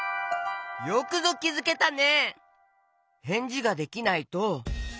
よくぞきづけたね！